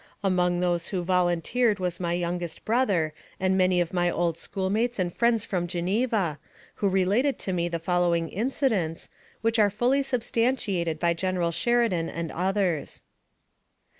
Among those who volun teered was my youngest brother, and many of my old schoolmates and friends from Geneva, who related to me the following incidents, which are fully substan tiated by General Sheridan and others.